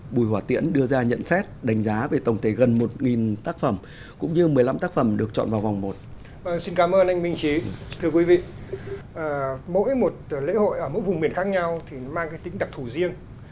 mỗi một lễ hội ở vùng miền khác nhau mang tính đặc thù riêng